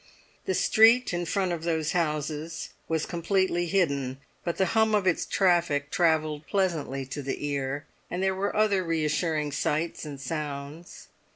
The street in front of those houses was completely hidden, but the hum of its traffic travelled pleasantly to the ear, and there were other reassuring sights and sounds.